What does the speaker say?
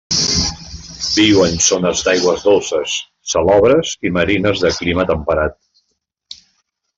Viu en zones d'aigües dolces, salobres i marines de clima temperat.